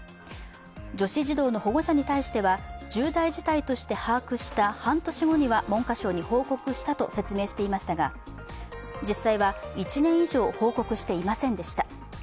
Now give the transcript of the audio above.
女子児童の保護者に対しては、重大事態として把握した半年後には文科省に報告したと説明していましたが、実際は１年以上報告していませんでした。